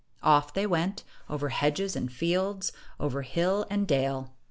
Off they went over hedges and fields, over hill and dale.